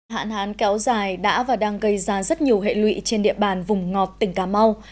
hạn hán kéo dài đã và đang gây ra rất nhiều hệ lụy trên địa bàn vùng ngọt tỉnh cà mau